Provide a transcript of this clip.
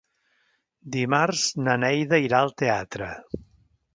Dimarts na Neida irà al teatre.